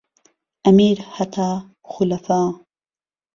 ئهمير ههتا خولەفا